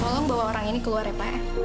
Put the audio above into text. tolong bawa orang ini keluar ya pak